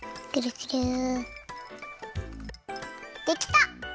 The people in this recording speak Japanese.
できた！